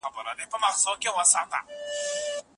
ولس د خپل ژوند د خوندیتوب لپاره حق لري.